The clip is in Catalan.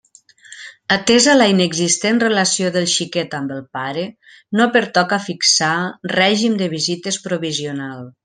Atesa la inexistent relació del xiquet amb el pare, no pertoca a fixar règim de visites provisional.